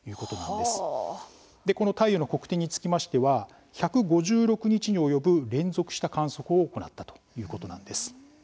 でこの太陽の黒点につきましては１５６日に及ぶ連続した観測を行ったということなんです。